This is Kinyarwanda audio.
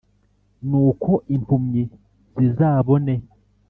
Nuko impumyi zizabone,